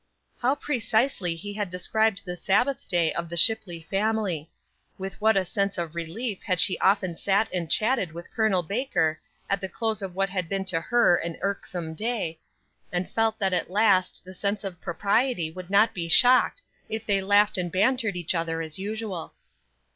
How precisely he had described the Sabbath day of the Shipley family. With what a sense of relief had she often sat and chatted with Col. Baker at the close of what had been to her an irksome day, and felt that at last the sense of propriety would not be shocked if they laughed and bantered each other as usual.